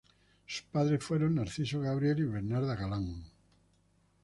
Sus padres fueron Narciso Gabriel y Bernarda Galán.